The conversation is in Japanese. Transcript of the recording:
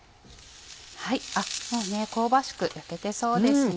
もう香ばしく焼けてそうですね。